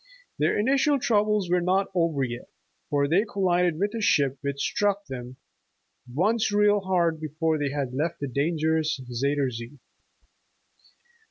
Their initial troubles were not yet over, for they collided with a ship, which struck them ''once real hard before they had left the danger ous Zuyder Zee."